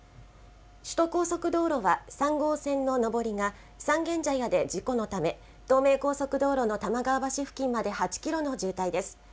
首都高速道路は３号線の上りが三軒茶屋で事故のため、東名高速道路のたまがわ橋付近まで８キロの渋滞です。